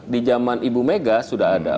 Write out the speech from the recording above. di zaman ibu mega sudah ada